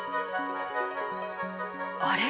あれ？